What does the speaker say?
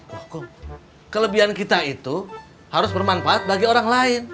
wah kelebihan kita itu harus bermanfaat bagi orang lain